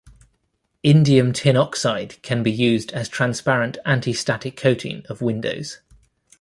Indium tin oxide can be used as transparent antistatic coating of windows.